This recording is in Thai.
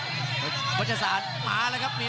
คมทุกลูกจริงครับโอ้โห